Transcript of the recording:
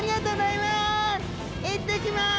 いってきます！